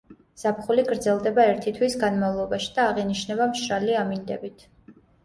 ზაფხული გრძელდება ერთი თვის განმავლობაში და აღინიშნება მშრალი ამინდებით.